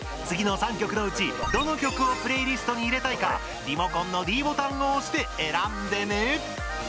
次の３曲のうちどの曲をプレイリストに入れたいかリモコンのｄボタンを押して選んでね！